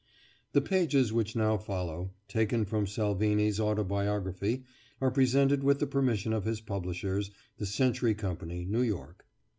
The pages which now follow, taken from Salvini's Autobiography, are presented with the permission of his publishers, the Century Company, New York.